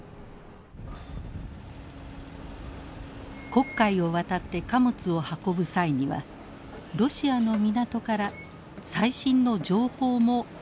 黒海を渡って貨物を運ぶ際にはロシアの港から最新の情報も提供されます。